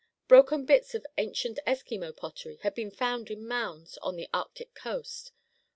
Broken bits of ancient Eskimo pottery had been found in mounds on the Arctic coast.